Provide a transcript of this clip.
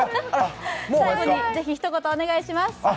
最後にひと言お願いします。